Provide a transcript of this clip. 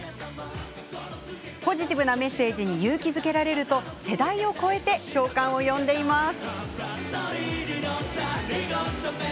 ポジティブなメッセージに勇気づけられると、世代を超えて共感を呼んでいます。